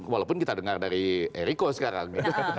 walaupun kita dengar dari eriko sekarang